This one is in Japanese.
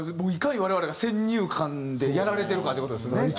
いかに我々が先入観でやられてるかっていう事ですよね。